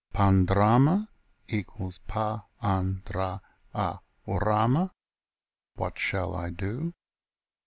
" pandrama = pa an dra a wrama, " what shall I do